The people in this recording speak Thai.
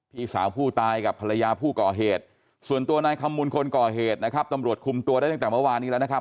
พี่สาวผู้ตายกับภรรยาผู้ก่อเหตุส่วนตัวนายคำมูลคนก่อเหตุนะครับตำรวจคุมตัวได้ตั้งแต่เมื่อวานนี้แล้วนะครับ